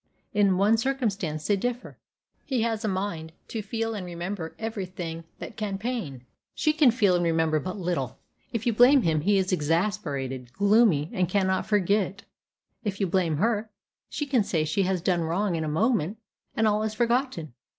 In one circumstance they differ. He has a mind to feel and remember every thing that can pain; she can feel and remember but little. If you blame him, he is exasperated, gloomy, and cannot forget it. If you blame her, she can say she has done wrong in a moment, and all is forgotten.